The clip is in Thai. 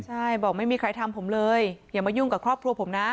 ใช่บอกไม่มีใครทำผมเลยอย่ามายุ่งกับครอบครัวผมนะ